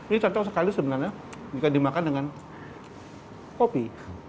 ini cocok sekali sebenarnya jika dimakan dengan kopi